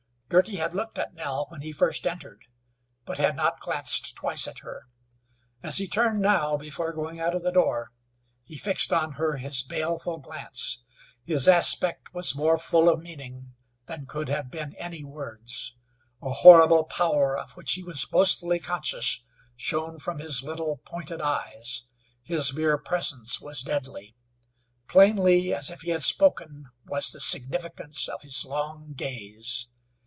Girty had looked at Nell when he first entered, but had not glanced twice at her. As he turned now, before going out of the door, he fixed on her his baleful glance. His aspect was more full of meaning than could have been any words. A horrible power, of which he was boastfully conscious, shone from his little, pointed eyes. His mere presence was deadly. Plainly as if he had spoken was the significance of his long gaze.